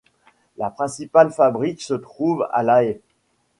La principale fabrique se trouve à La Haye.